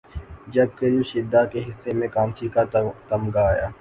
جبکہ یوشیدا کے حصے میں کانسی کا تمغہ آیا